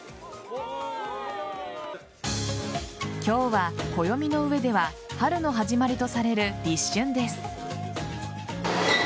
今日は、暦の上では春の始まりとされる立春です。